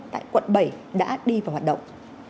tại quận bảy đã đi vào hoạt động